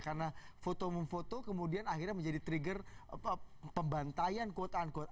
karena foto memfoto kemudian akhirnya menjadi trigger pembantaian quote unquote